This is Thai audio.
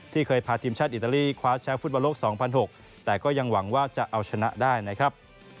เคยพาทีมชาติอิตาลีคว้าแชมป์ฟุตบอลโลก๒๐๐๖แต่ก็ยังหวังว่าจะเอาชนะได้นะครับ